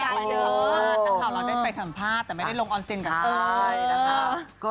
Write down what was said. เราได้ไปถังผ้าแต่ไม่ได้ลงออนเซนกันเลยนะคะ